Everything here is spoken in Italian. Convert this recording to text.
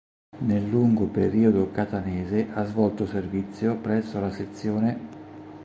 Nel lungo periodo catanese ha svolto servizio presso la Sez.